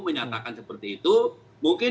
menyatakan seperti itu mungkin